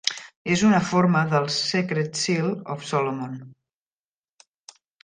És una forma del "Secret Seal of Solomon".